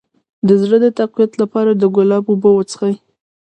د زړه د تقویت لپاره د ګلاب اوبه وڅښئ